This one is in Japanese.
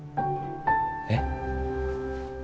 えっ？